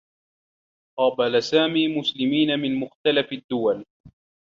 قابل سامي مسلمين من مختلف الدّول.